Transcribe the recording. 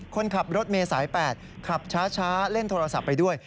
คนขับรถเมย์สาย๘ขับช้าเล่นโทรศัพท์ไปด้วย